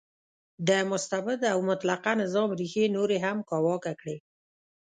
د مستبد او مطلقه نظام ریښې نورې هم کاواکه کړې.